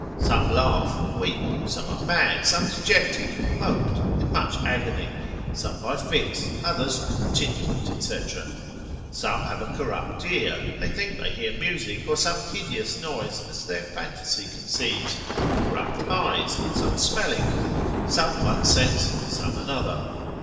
Some laugh, weep; some are mad, some dejected, moped, in much agony, some by fits, others continuate, &c. Some have a corrupt ear, they think they hear music, or some hideous noise as their phantasy conceives, corrupt eyes, some smelling, some one sense, some another.